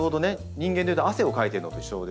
人間で言うと汗をかいてるのと一緒ですか？